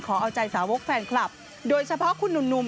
เอาใจสาวกแฟนคลับโดยเฉพาะคุณหนุ่ม